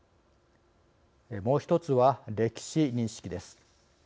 もう１つは、歴史認識です。